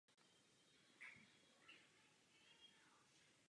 Podvozek byl klasické koncepce.